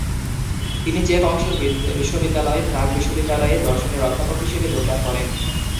তিনি চেক অংশের বিশ্ববিদ্যালয়, প্রাগ বিশ্ববিদ্যালয়ে দর্শনের অধ্যাপক হিসেবে যোগদান করেন।